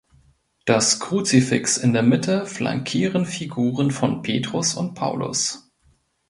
Das Kruzifix in der Mitte flankieren Figuren von Petrus und Paulus.